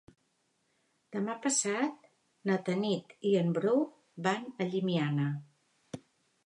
Demà passat na Tanit i en Bru van a Llimiana.